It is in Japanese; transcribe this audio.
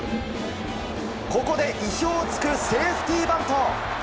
ここで意表を突くセーフティーバント。